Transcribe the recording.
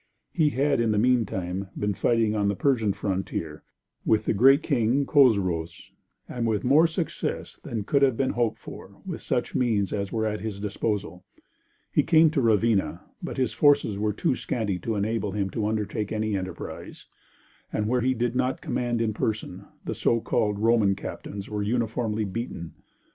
He had in the meantime been fighting on the Persian frontier, with the great King Chosroës, and with more success than could have been hoped for with such means as were at his disposal. He came to Ravenna, but his forces were too scanty to enable him to undertake any enterprise, and where he did not command in person, the so called Roman captains were uniformly beaten.